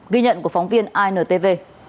ghi nhận của phóng viên intv